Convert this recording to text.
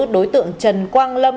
đối tượng trần quang lâm